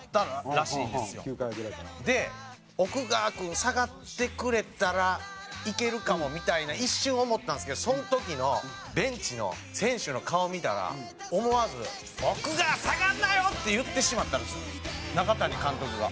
で奥川君下がってくれたらいけるかもみたいな一瞬思ったんですけどその時のベンチの選手の顔見たら思わず「奥川下がんなよ！」って言ってしまったらしいんですよ中谷監督が。